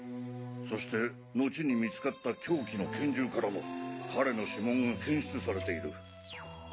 そして後に見つかった凶器の拳銃からも彼の指紋が検出されている。